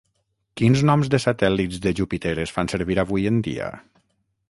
Quins noms de satèl·lits de Júpiter es fan servir avui en dia?